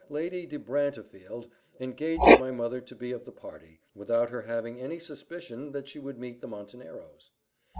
Lady de Brantefield engaged my mother to be of the party, without her having any suspicion that she would meet the Monteneros.